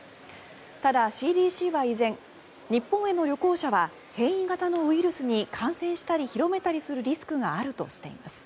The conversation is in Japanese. ただ、ＣＤＣは依然日本への旅行者は変異型のウイルスに感染したり広めたりするリスクがあるとしています。